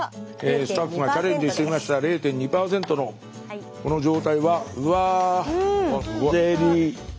スタッフがチャレンジしてみました０．２％のこの状態はうわゼリー。